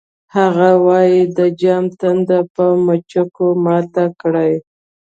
هغه وایی د جام تنده په مچکو ماته کړئ